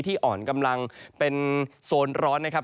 อ่อนกำลังเป็นโซนร้อนนะครับ